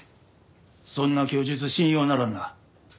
そんな供述信用ならんな。